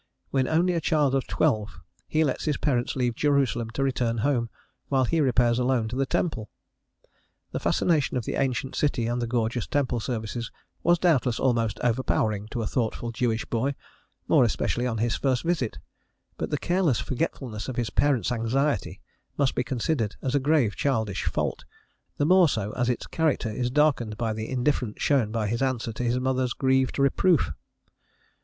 When only a child of twelve he lets his parents leave Jerusalem to return home, while he repairs alone to the temple. The fascination of the ancient city and the gorgeous temple services was doubtless almost overpowering to a thoughtful Jewish boy, more especially on his first visit: but the careless forgetfulness of his parents' anxiety must be considered as a grave childish fault, the more so as its character is darkened by the indifference shown by his answer to his mother's grieved reproof.